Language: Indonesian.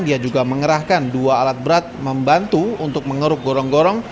dia juga mengerahkan dua alat berat membantu untuk mengeruk gorong gorong